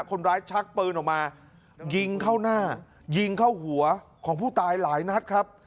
ชักปืนออกมายิงเข้าหน้ายิงเข้าหัวของผู้ตายหลายนัดครับ